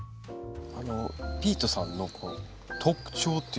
ピートさんの特徴っていうか